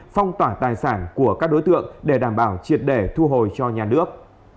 phong tỏa tài sản của các đối tượng để đảm bảo triệt để thu hồi cho nhà nước